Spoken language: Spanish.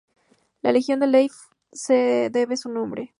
La región de Dyfed les debe su nombre.